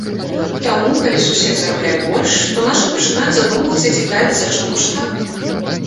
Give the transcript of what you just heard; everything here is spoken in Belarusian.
Таму, калі сусед зарабляе больш, то нашы пачынаюць задумвацца і цікавіцца, чаму ж так?